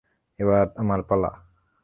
এবার আমার পালা।